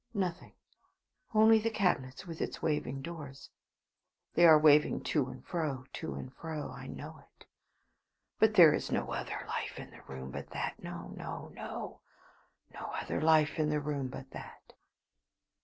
Nothing; only the cabinet with its waving doors. They are waving to and fro, to and fro I know it. But there is no other life in the room but that no, no; no other life in the room but that.